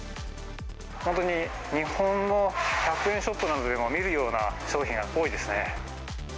本当に日本の１００円ショップなどでも見るような商品が多いですね。